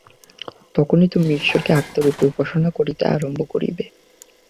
তখনই তুমি ঈশ্বরকে আত্মারূপে উপাসনা করিতে আরম্ভ করিবে।